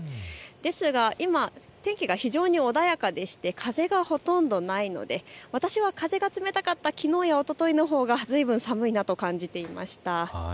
今、天気が非常に穏やかで風がほとんどないので私は風が冷たかったきのうやおとといのほうがずいぶん寒いなと感じていました。